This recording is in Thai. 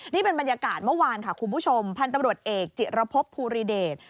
นี่เป็นบรรยากาศเมื่อวานค่ะคุณผู้ชมพันธุ์ตำรวจเอกจิระพบภูริเดช